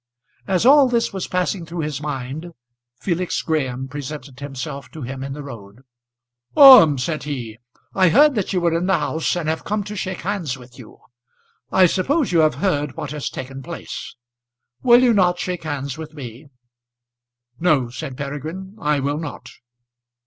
As all this was passing through his mind, Felix Graham presented himself to him in the road. "Orme," said he, "I heard that you were in the house, and have come to shake hands with you. I suppose you have heard what has taken place. Will you not shake hands with me?" "No," said Peregrine, "I will not."